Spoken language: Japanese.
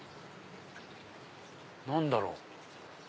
何だろう？